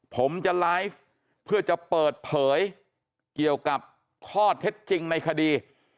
ผมจะไลฟ์เพื่อจะเปิดเผยเกี่ยวกับข้อเท็จจริงในคดี